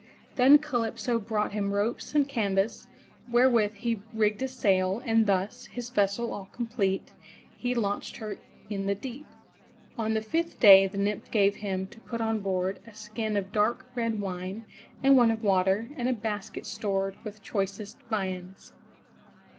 Then Calypso brought him ropes and canvas wherewith he rigged a sail, and thus, his vessel all complete, he launched her in the deep. On the fifth day the nymph gave him, to put on board, a skin of dark red wine, and one of water, and a basket stored with choicest viands.